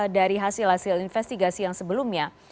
dari hasil hasil investigasi yang sebelumnya